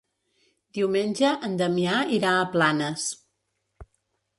Diumenge en Damià irà a Planes.